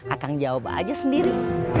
akang jawab aja sendiri